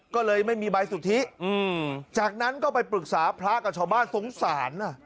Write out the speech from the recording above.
ก็เลยไม่มีใบสุทธิจากนั้นก็ไปปรึกษาพระกับชาวบ้านสงสาร